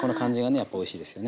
やっぱおいしいですよね。